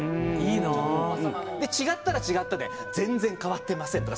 で、違ったら違ったで「全然変わってません！」とか